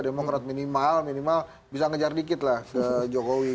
demokrat minimal minimal bisa ngejar dikit lah ke jokowi